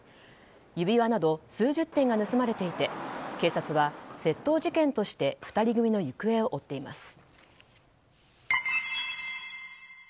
指輪など数十点が盗まれていて警察は窃盗事件として２人組の行方を追っています。